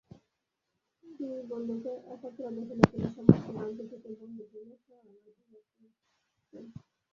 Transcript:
দুই বন্ধুকে একত্র দেখিলেই তিনি সমস্ত মানবজাতিকে বন্ধুপ্রেমে সহায়বান অনুভব করিতেন।